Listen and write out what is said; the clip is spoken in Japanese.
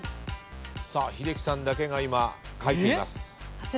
さあ英樹さんだけが今かいています。